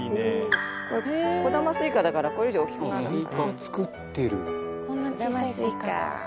これ小玉スイカだからこれ以上大きくならないから。